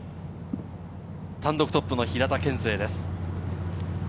単独トップの平田憲聖です。